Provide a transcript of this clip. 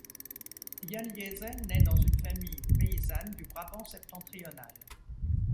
Jan Liesen naît dans une famille paysanne du Brabant-Septentrional.